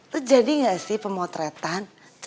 lu jadi gak sih pemotretan